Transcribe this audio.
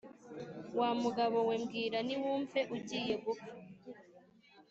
wa mugabo we mbwira ntiwumve, ugiye gupfa.